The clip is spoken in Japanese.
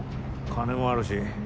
金もあるし。